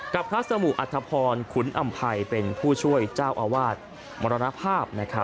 พระสมุอัธพรขุนอำภัยเป็นผู้ช่วยเจ้าอาวาสมรณภาพ